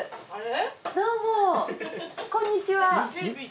どうもこんにちは。